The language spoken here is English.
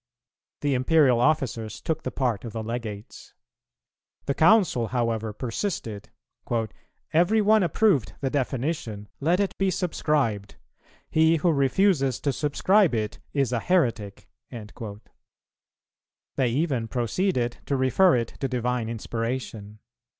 The Imperial officers took the part of the Legates. The Council however persisted: "Every one approved the definition; let it be subscribed: he who refuses to subscribe it is a heretic." They even proceeded to refer it to Divine inspiration.